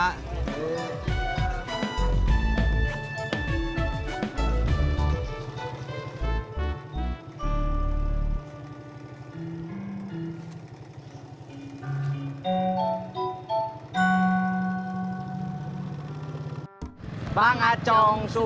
dia bahkan punya bau